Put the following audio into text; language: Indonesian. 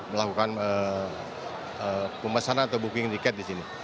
melakukan pemesanan atau booking tiket di sini